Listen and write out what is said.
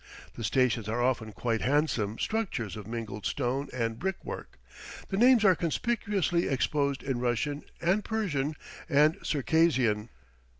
The stations are often quite handsome structures of mingled stone and brickwork. The names are conspicuously exposed in Russian and Persian and Circassian.